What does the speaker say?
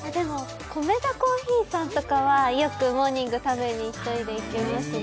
コメダ珈琲さんとかはよくモーニング食べに１人で行きますね。